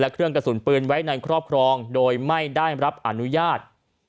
เครื่องกระสุนปืนไว้ในครอบครองโดยไม่ได้รับอนุญาต